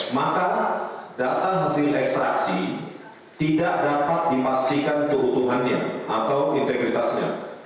maka data hasil ekstraksi tidak dapat dipastikan keutuhannya atau integritasnya